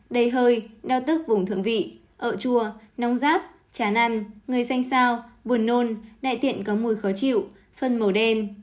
đầy hơi đau tức vùng thượng vị ợ chua nóng rác chán ăn người xanh sao buồn nôn đại tiện có mùi khó chịu phân màu đen